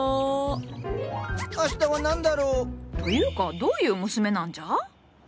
明日は何だろう？というかどういう娘なんじゃ？